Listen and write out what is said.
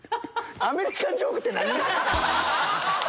アメリカンジョークって何？